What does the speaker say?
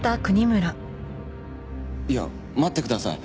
いや待ってください。